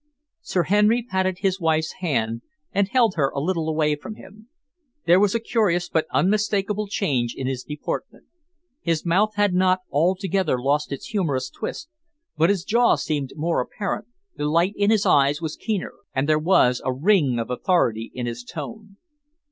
Sir Henry patted his wife's hand and held her a little away from him. There was a curious but unmistakable change in his deportment. His mouth had not altogether lost its humorous twist, but his jaw seemed more apparent, the light in his eyes was keener, and there was a ring of authority in his tone.